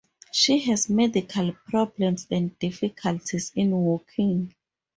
She has medical problems and difficulties in walking.